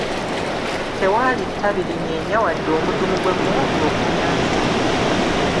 Tewaali ttabi linyeenya wadde omudumu gw'emmundu ogumyansa.